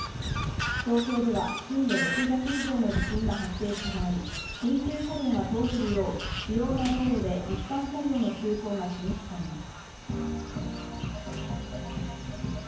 東京では震度６弱以上の地震が発生した場合緊急車両が通れるよう主要な道路で一般車両の通行が禁止されます。